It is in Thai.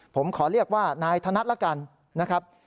ผมขอเรียกว่านายธนัดละกันนะครับ